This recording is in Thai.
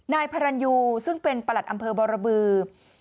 นายพรรณยูซึ่งเป็นประหลัดอำเภอบรบือ